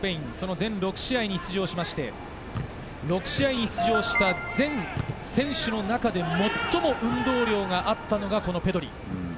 全６試合に出場して、６試合に出場した全選手の中で最も運動量があったのがペドリ。